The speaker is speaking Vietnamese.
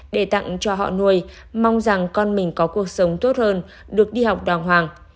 để tặng cho họ nuôi mong rằng con mình có cuộc sống tốt hơn được đi học đàng hoàng